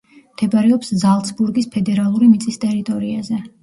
მდებარეობს ზალცბურგის ფედერალური მიწის ტერიტორიაზე.